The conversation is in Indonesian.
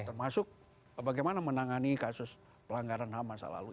termasuk bagaimana menangani kasus pelanggaran ham masa lalu